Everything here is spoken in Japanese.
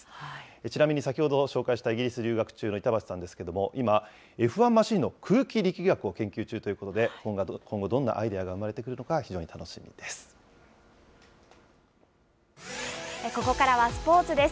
ちなみに先ほど紹介した技術留学中の板橋さんですけれども、今、Ｆ１マシンの空気力学を研究中ということで、今後、どんなアイデアが生まれてくるのか非常に楽しみです。